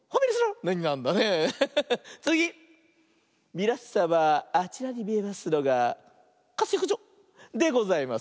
みなさまあちらにみえますのが「かすよくじょ」でございます。